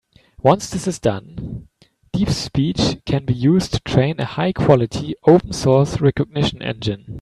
Once this is done, DeepSpeech can be used to train a high-quality open source recognition engine.